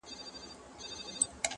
د هغه له ستوني دا ږغ پورته نه سي -